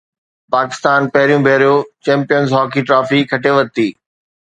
پاڪستان پهريون ڀيرو champions hockey trophy کٽي ورتي